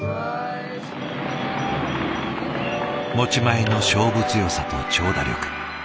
持ち前の勝負強さと長打力。